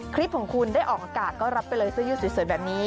คลิปของคุณได้ออกอากาศก็รับไปเลยเสื้อยืดสวยแบบนี้